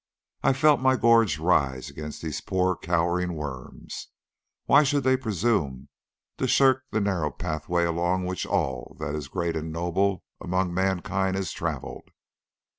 I felt my gorge rise against these poor cowering worms. Why should they presume to shirk the narrow pathway along which all that is great and noble among mankind has travelled?